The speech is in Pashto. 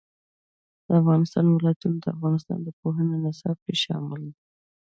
د افغانستان ولايتونه د افغانستان د پوهنې نصاب کې شامل دي.